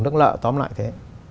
nước lợi tóm lại thế